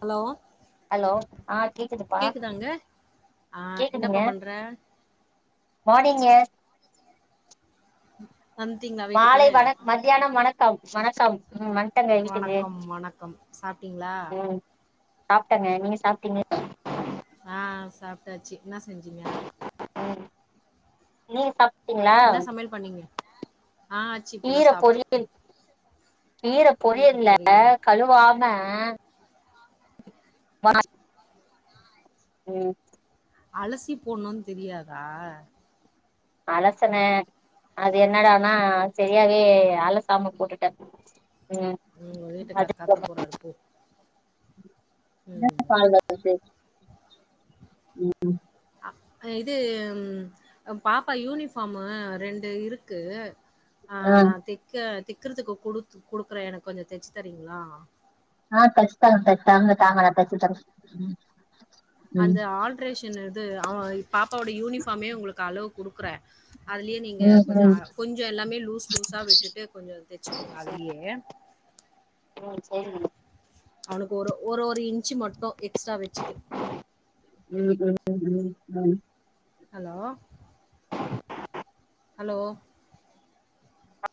Hello hello ஆஹ கேக்குதுப்பா கேக்குதாங்க ஆ என்னப்பா கேக்குதுங்க பண்ற மானிங் நீங்க உம் மாலை வணக் மத்தியானம் வணக் சம் வணக்கம் ம் வந்ட்டங்க வீட்டுக்கு வணக்கம் வணக்கம் சாப்பிட்டீங்களா ம் சாப்ட்டங்க நீங்க சாப்பிட்டீங்கள ஆஹ சாப்பிட்டாச்சு என்ன செஞ்சீங்க ம் நீங் சப்பு என்ன சமயல் பண்ணீங்க ஆஹ ஆச்சு கீர இப்பதான் சாப்பிட்டோம் பொரியல் கீர பொரியல்ல கழுவாம [unintelligible] உஹம் அலசி போடணும்னு தெரியாதா அலசனே அது என்னடனா சரியாவே அலசாம போட்டுட்டேன் உங்க வீட்டுக்கார சத்தம் போறாரு போ உம் ம் உம் [unintelligible] இது பாப்பா யூனிஃபாம் ரெண்டு இருக்கு ஆஹ ஆ நான் தெக்க தெக்குறதுக்கு குடு குடுக்குற எனக்கு கொஞ்சம் தெச்சு தரீங்களா ஆஹ தெச்ச தாரே தாங்க தாங்க தெச்சு தாரேன் அந்த ஆல்ட்ரேஷன் இது அவ பாப்பாவோட யூனிஃபாமே உங்களுக்கு அளவு குடுக்குறேன் அதுலயே நீங்க ம் கொஞ்சம் ம் கொஞ்சம் எல்லாமே லூஸ் லூஸா விட்டுட்டு கொஞ்சம் தெச்சு கூடுங்க அதுலயே ம் சேரிங்க அவளுக்கு ஒரு ஒரு ஒரு இன்ச்சு மட்டும் எக்ஸ்ட்ரா வச்சுட்டு தை உம் உம் உம் உம் உஹம் ஹலோ ஹலோ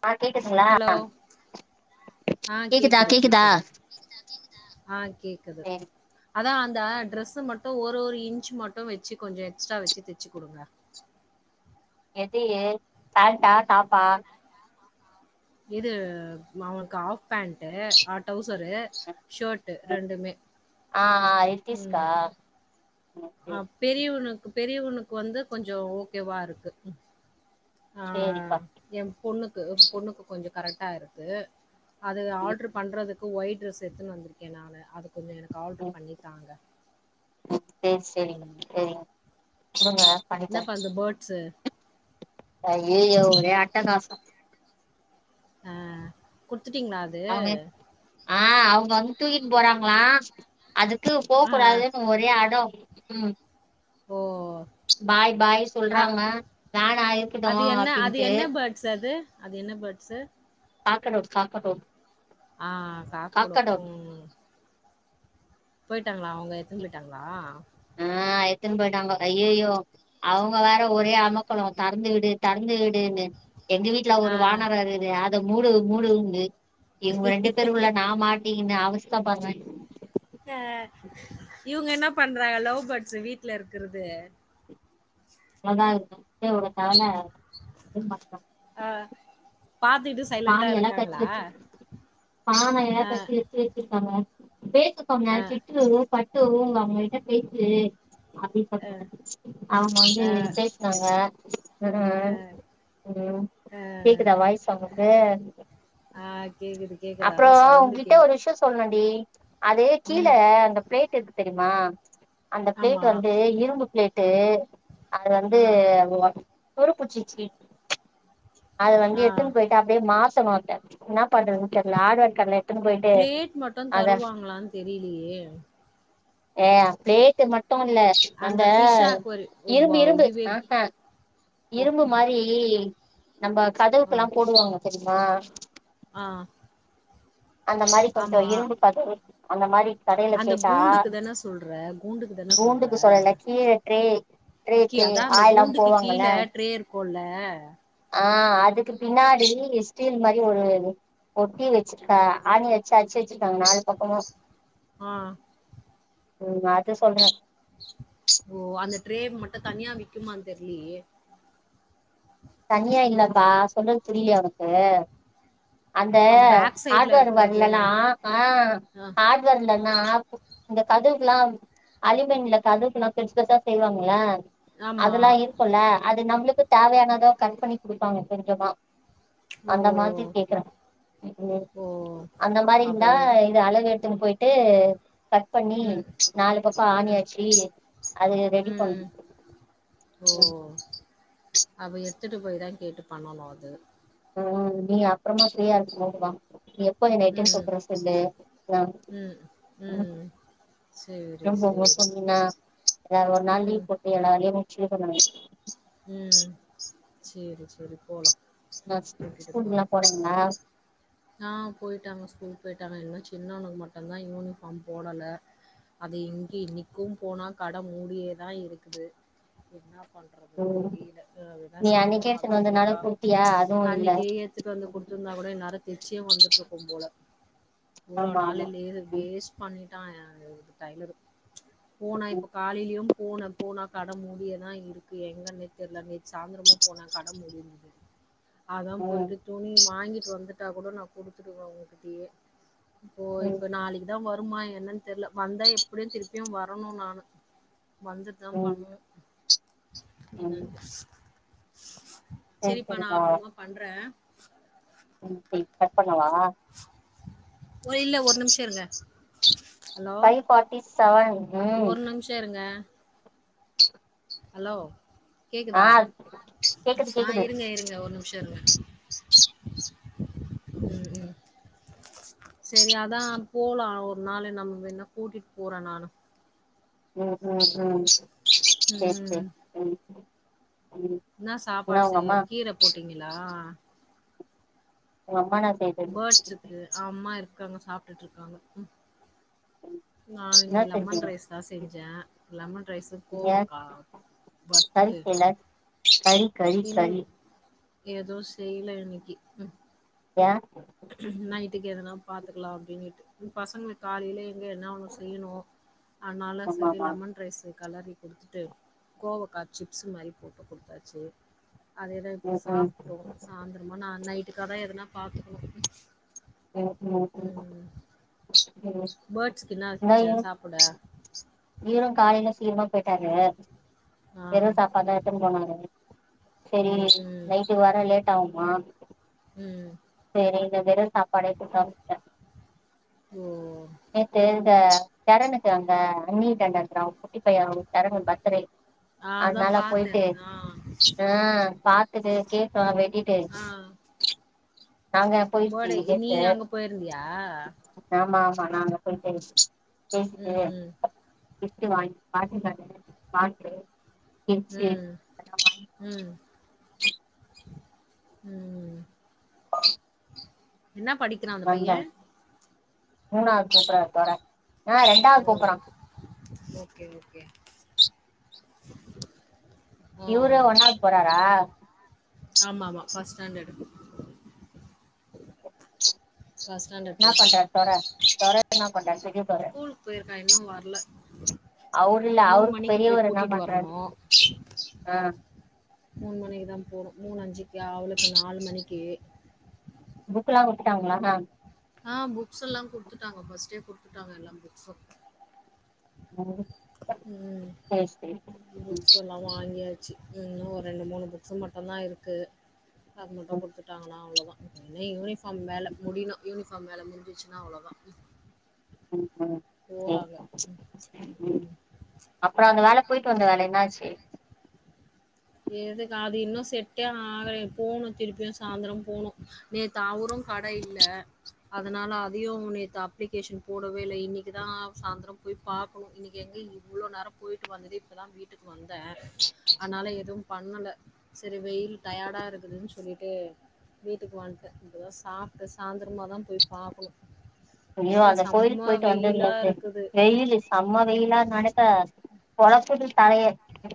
ஆ கேக்குதுங்களா ஹலோ ஆஹ கேக்குதா கேக்குது கேக்குதா கேக்குது ஆஹ்கேக்குது சேரி அதான் அந் இந்தா டிரெஸ் மட்டும் ஒரு ஒரு இன்ச் மட்டும் வச்சு கொஞ்ச எக்ஸ்ட்ரா வச்சு தெச்சு குடுங்க எது ஏ பேண்ட்டா டாப்பா இது அவக்கு ஆப் பேண்ட் ஹன் டவுசர் ஷர்ட் ரெண்டுமே ஆ ரித்திஸ்கா உம் ஆஹா சேரி பெரியவனுக்கு பெரியவனுக்கு வந்து கொஞ்சம் ஓகேவா இருக்கு சேரிப்பா ஆஹ்ஹ் என் பொண்ணுக்கு பொண்ணுக்கு கொஞ்சம் கரெக்ட்டா இருக்கு அது ம் ஆர்டர் பண்றதுக்கு ஒயிட் டிரஸ் எடுத்துன்னு வந்திருக்கேன் நானு அதுக் கு கொஞ்சம் எனக்கு ஆல்டர் பண்ணித்தாங்க செரி செரி செரி குடுங்க பண்ணித்தரேன் சார் அய்யயோ ஒரே அட்டகாசம் ஆஹ் குடுத் ட்டீங்களா அது அவுங்க வந்து தூக்கிட்டு போறாங்களா அதுக்கு போக ஆ. கூடாதுன்னு ஒரே அடம் உம் ஓஓ பாய் பாய் சொல்றாங்க வேணா இருக்கட்டும் அது என்ன அது அப்படின்ட்டு என்ன பேர்ட்ஸ் அது? அது என்ன பேர்ட்ஸ்சு பாகனூர் காக்கட்டும் ஆஹ் காக்கொடோ உம் போய்ட்டாங்களா அவுங்க எடுத்துன்னு போயிட்டாங்களா ஆஹ் எடுத்துன்னு போயிட்டாங்க அய்யயோ அவுங் க வேற ஒரே அமர்க்களம் தறந்து விட் இத தறந்து விடுன்னு எங்க வீட்டுல ஒரு ஆ. வானரம் இருக்குது அ து மூடு மூடு வந்து இவுங்க ரெண்டு பேருக்குள்ள நான் மாட்டீங்கன்னு அவஸ் த படுறேன் ஆஹ்இவுங்க என்னா பண்றாங்க லவ் பேர்ட்ஸ் வீட்டுல இருக்குறது நல்ல இருக்கும் இவுங்க கவல ஆஹ் பானைய எல்லாம் கச்சி வச்சு பான எல்லாம் அ கச்சி வச்சு வச்சிருக்காங்க பேச அ சொன்னேன் சிட்டுலூரு ப த்து உங்க அம்மாகிட்ட பேசி அப்டி சொன்னேன் அவுங்க வந்து பேசுனாங்க அப்புறம் கேக்குதா வாய்ஸ் அவுங்க ஆஹ் கேக்குது கேக்குது அப்பற அதா சவுண்டு ஒன்கிட்ட கேக்கு ஒரு விஷ்யம் சொல் னும் டி அதே கீழ ம் அந்த பிளேட் எக் தெரிமா அந்த பிளேட் ஆமா வந்து இரும்பு பிலேட்டு அது வந்து ஆ அதுல துருப்புடுச்சிக்கி அது வந்து ஆ எடுத்துன் போயிட் அப்டியே மாசஸ் த்தனாட் என்ன பண்றதுன்னு தெரில ஆரட்கண் பிளேட் மட்டும் தருவாங்ளா தெரியலயே உம் ப்ளேட்டு மட் ட்ட இல்ல அந்த ஃபிஷ் ஆக்வரி பா இரும்பு இரும்பு இதுவே ஆஹ ஓ இரும்பு மாரி ம் நம்ம கதவுக்கெல்லா போடுவாங்க தெரி ஆஹா ஆஹ அந்த மாரி கொஞ்ச இரும்பு கதவு அந்த மாரி கடையில அந்த கேட்டா கூண்டுக்கு தானே சொல்ற கூண்டுக்கு தானே சொல்ற கூண்டுக்கு சொல்லல கீழ ட்ரே ட்ரே கீ ட்ரே அதா அந்த ஆயெல்லா கூண்டுக்கு கீழ போவாங்கல்ல ட்ரே இருக்கும்ல்லா ஆஹ் அதுக்கு பின்னாடி ஸ்டீல் மாரி ஒரு ஒட்டி வச்சி ஆணி வச்சி அடிச்சு வச்சிருக்காங்க நாலு பக்கமும் ஆஹ உம் அது சொல்றேன் ஓ அந்த ட்ரே மட்டு தனியா விக்குமன் தெரியலயே தனியா இல்லப்பா சொல்றது புரிலய உனக்கு அந்த அ பேக் சைட்ல ஹாட்வாட்டர் இருக்கறது தானே? பேக்லலாம் ஆஹ் அ ஹார்ட்வேர்லனா இந்த கதுவுக்ல்லாம் அலிமன்ல கதுல்லாம் பெர்ஸ் பெருசா செய்வாங்ள ஆமா. அதெல்லாம் இருக்கும்ல்ல அது நம்மளுக்கு தேவையணதா கட் பண்ணி கொடுப்பாங்க கொஞ்சமா ஓ! அந்த மாதிரி கேக்குறேன் உம் ஓ! அந்த மாதிரி அவ இருந்தா எடு இது அளவு ன்னு போயிட்டு. கட் பண்ணி ம். ம்ச் நாலு பக்கோ ம். ஆணியடிச்சு அத ரெடி பண்ணு. ம். உம். அப்ப எடுத்துட்டு போய்தா கேட்டு பண்ணனு அது. ஹ நீ அப்புறமா ப்ரீயா இருக்கு போது வா. ம். ம். ம். சரி, சரி. ம். [unintelligible] [unintelligible] உம் சேரி சேரி போலா. ஸ்கூல்லாம் போறாங்களா. ஆஹ போயிட்டாங்க ஸ்கூல் போயிட்டாங்க இன்னும் சின்னவன்னக்கு மட்டும்தா யூனிஃபார்ம் போடல. அது இங்க இன்னைக்கும் போனா கட மூடியேதா இருக்குது என்னப். பண்றதுன்னு ம் தெரியல அதுதா நீ அன்னைக்கே சாயந்தரமாதா எடுத்துன்னு போய் வந்தனால பாப் குடுத்தியா ம்ச். அதுவு இல்ல அன்னைக்கு எடுத்துட்டு வந்து குடுத்துருந்தா கூட இன். எ வந்துட்டு இருக்கும் போல. இவ்ளோ ஆமா நாலு ஆமா லீவு வேஸ்ட் பண்ணி. ஆஹ டைலரு. ம்ச் போனா ம் இப்ப காலையிலயும். போன போனா கட மூடியதா இருக்கு எங்க நேத்தெர்ல நே. சாயந்திரமு போன கட மூடியிருந். அதான் ம் போயிட்டு துணி வாங்கிட்டு வந்துட். கேட்டா கூட நான் குடுத்துடுவ உங்ககிட்டயே. இப்போ ம் இப்ப நாளைக்குதா வ. வருமா என்னன்னு தெரியல வந்தா எப்படியும் திருப்பியும் வரணும் நானு. வந்துட்டு தான் ம் ம் பண்ணனு. ம் என்னது. [inaudible] சரி சரிப்பா நா அப்புறமா பண்ற. [inaudible] [unintelligible] ஆஹ. ஒரு இல்ல ஒரு நிமிஷம் இருங்க. [inaudible] பைவ் ஃபார்ட்டி செவன் உம். ஒரு நிமிஷோ இருங்க [inaudible] ஹலோ. ஆ கேக்குதா கேக்குது ஆஹ கேக்குது இருங்க இருங்க ஒரு நிமிஷோ இருங்க. உம் உம் சரி அதான் போலாம் ஒரு நாள் நம்ம வேனா கூட்டிட்டு போறேன் நானும் உம் உஹம் உம் ஹ சரி ம் ம் நான் என்ன உங்க சாப்பாடுசெஞ் அம்மா கீர போட்டீங்களா உங்க அம்மான ஃபேர்ட்ஸுக்கு ஆ அம்மா இருக்கு இருக்கங்க சாப்பிட்டுட்டு இருக்காங்க நான் என்ன இன்னைக்கு லெமன் செஞ்சீங்க ரைஸ் தான் செஞ்சேன் லெமன் ரைஸ் நீங்க கோவக்கா கறி வத்துட்டு செய்யல கறி கறி இரு கறி ஏதோ செய்யல இன்னைக்கு உ ஏன் நைட்டுக்கு எதுனா பாத்துக்கலாம் அப்டின்ட்டு பசங்களுக்கு காலையிலே என்ன ஒண்ணும் செய்யணும் அதனால சரி ஆமாமா லெமன் ரைஸ் இரு கெலறி குடுத்துட்டு கோவக்காய சிப்ஸ் மாரி போட்டு குடுத்தாச்சு அதது எதான் இப்போ ம் ம் சாப்பிட்டோம் சாயந்திரமாக நான் நைட்டுக்காகத என பாரும் [inaudible] ம் ம் [inaudible] ம் உம் ம். ஃபேர்ட்ஸ்க்கு என்ன வச்ச சாப்பிட ஹுரோ காலையில சீரமா போயிட்டாங்க ஆ வெறும் சாப்பா தா எத்துனு போனாங்க சரி ம் ம் நைட்டுக்கு வரே லேட் ஆகும் ஆ ம் சரி இந்த வெறும் சாப்பாடே கூன் ஓ நேத்து இந்த தெறனுக்கு அங்க நீர் கண்டறம் குட்டி பையும் தெறனு பத்ரை ஆ அதா அதனால பாத்தே போயிட்டு ஆ ஆஹ் பாத்துட்டு கேக்கல வெட்டிட்டு ஆ நாங்க போயிச்சு பர்டே நீ கேட்டு அங்க போயிருந்தியா ஆமா பன அ [unintelligible] ம் ஃகிப்ட்வாங்கி [unintelligible] வாட்ட [unintelligible] உம் உம் [inaudible] உம் [inaudible] என்ன படிக்கிறான் அந்த பைய மூனாது போ போறா தோராய ஆ ரெண்டாது போ போறாங் ஓக்கே ஓக்கே இவரு ஒன்னாது போறாரா ஆமா ஆமா ஃபஸ்ட் ஸ்டாண்டர்டு ஃபர்ஸ்ட் ஸ்டாண்டர்ட் நா பண்றாரு போயிட்டுருக்கான். தொர தொர நா பண்றாரு பெரிய தொர இன்னு வரல அவரு இல்ல அவருக்கு மணிக்கு போய் பெரியவரு என்ன கூட்டிட்டு பண்றாரு வரணும். அ மூணஞ்சு அவளுக்கு நால் மணிக்கு புக்ல்லா குடுத்துட்டாங்களா மேம் ஆ புக்ஸ்ல்லா குடுத்துட்டாங்க ஃபர்ஸ்ட் டே குடுத்துட்டாங்க எல்லா புக்சூ ம் ம் சேரி சேரி புக்ஸ்ல்லா வாங்கியாச்சி இன்னு ஒரு ரெண்டு மூணு புக்சு மட்டு தா இருக்கு அத மட்டோ ம் குடுத்துட்டாங்கன்னா அவ்ளோ தா நீ யூனி ஆ மேல முடியணு யூனிஃபார்ம் வேல முடிஞ்சிச்சினா அவ்ளோ தா உம் உம் செரி உம் ம் அப்புறோ அந்த வேல போயிட்டு வந்த வேல என்னாச்சி எதுக்கு அது இன்னு செட்டே ஆகலை போணோ திருப்பியு சாந்திரோ போணோ நேத்து அவரு கட இல்ல அதனால அதையு நேத்து அப்ளிகேஷன் போடவே இல்ல இன்னிக்கு தா சாந்திரோ போய் பாக்கணோ இன்னிக்கு எங்க இவ்ளோ நேரோ போயிட்டு வந்ததே இப்ப தா வீட்டுக்கு வந்த வந்த அனால எதும் பண்ணல செரி வெயில் டயடா இருக்குதுன்னு சொல்லிட்டு வீட்டுக்கு வன்ட்ட இப்ப தா சாப்ட்டு சாந்திரமா தா போய் பாக்கணு ஐயோ அந்த கோயிலுக்கு போயிட்டு வந்ததுல இருந்து இருக்குது வெயிலு சம்ம வெயிலா நெனைக்கே பொளக்குது தலைய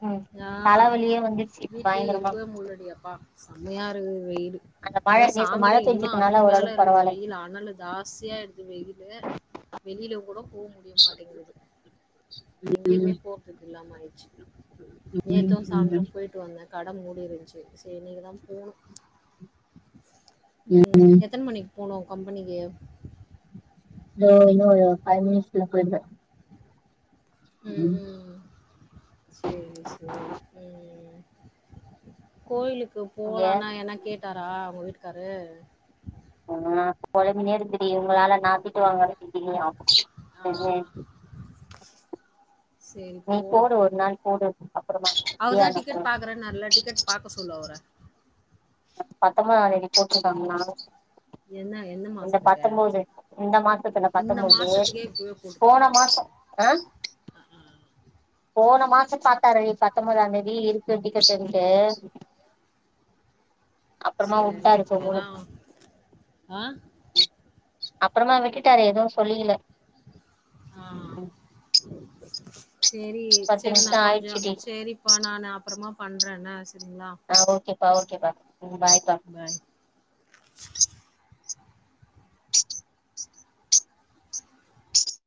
ம் ஆ தலவலியே வந்துருச்சு வீட்லயே பயங்கரமா இருக்கவே முல்லடி எப்பா செம்மையா இருக்குது வெயிலு அந்த மழ அது நேத்து மழ சாந்தரோ இன்னு அதுக்கு பெஞ்சதுனால மேல ஓரளவுக்கு இருக்குது பரவால்ல வெயில் அனலு ஜாஸ்தியா ஆயிடுது வெயிலு வெளியில போ முடிய மாட்டிங்குது எங்கயுமே ம் போர்றதுக்கு இல்லாம ஆயிடுச்சி ம் நேத்தும் ம் சாயந்திரம் போய்ட்டு வந்தேன் கா கட மூடி இருந்துச்சு செரினு தான் போணும் உம் ம் எத்தன மணிக்கு போனும் கம்பெனிக்கு இதோ இன்னோ பைய் மினிட்ஸ்ல போய்டுவேன் உஹம் உம் சேரி சேரி உஹம் கோயிலுக் கு இங்க போலாம்ன என்னா கேட்டாரா உங்க வீட்டு கரு ஆஹ குழம்பினே இருக்குது உங்களால நான் திட்டு வாங்க [unintelligible] ஆ. உம் சரி நீ போடு போலாம். ஒரு நாள் போடு அப்புறமா அவர் தான் டிக்கெட் பாக்குறேன்னுரல்ல டிக்கெட் பாக்க சொல்லு அவர பத்தொன்பதா தேதி போட்ற்று இருக்காங்கங்ளா என்ன எந்த இந்த மாசத்துக்கு பத்தொன்பது இந்த மாசத்துல இந்த பத்தொன்பது மாசத்துக்கே இப்பவே போன போட்டுப்பாரா அவரு மாசம் அஹ் போன மாசம் பாத்தாரடி பத்தொன்பதாம் தேதி இருக்கு டிக்கெட்ன்ட்டு சரி இவதான் ஆஹ அப்பறமா அந்த கிட் விட்டாரு எதும் சொல்லிக்கல சேரி பத்து சேரி நா நிமிஷோ கொஞ்ச ஆயிடுச்சு டி சேரிப்பா நான்னு அப்பறமா பண்றேன்னா ஆஹ ஓக்கே பா ஓகேப்பா ம் பாய்ப்பா பாய் [inaudible]